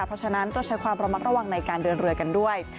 เพราะฉะนั้นต้องใช้ความระมัดระวังในการเดินเรือกันด้วย